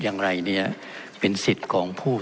ท่านประธานที่ขอรับครับ